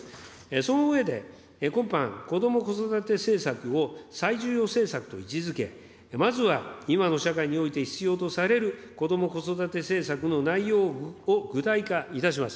その上で、今般、こども・子育て政策を最重要政策と位置づけ、まずは今の社会において必要とされるこども・子育て政策の内容を具体化いたします。